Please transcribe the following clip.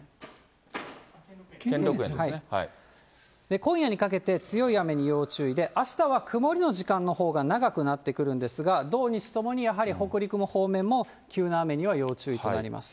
今夜にかけて、強い雨に要注意で、あしたは曇りの時間のほうが長くなってくるんですが、土、日ともにやはり北陸の方面も急な雨には要注意となります。